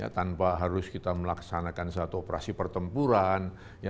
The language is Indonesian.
tanpa harus kita melaksanakan satu operasi pertempuran